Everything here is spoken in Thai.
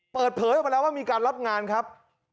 เปิดเผยออกมาแล้วว่ามีการรับงานครับ